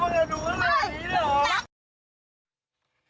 ทีนี้